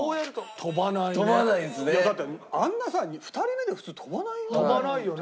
いやだってあんなさ２人目で普通飛ばないよ。